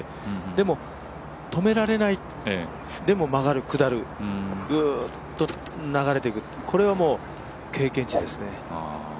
でも、止められない、でも曲がる、下る、ぐっと流れてく、これはもう経験値ですね。